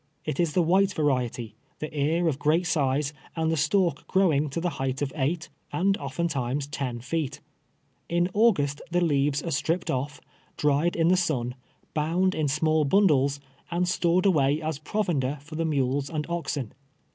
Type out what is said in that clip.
It is the white variety, the ear of great size, and the stalk growing to the height of eight, and often times ten feet. In August the leaves are stripped off, dried in the sun, boimd in small bundles, and stored away as provender for the mules and oxen.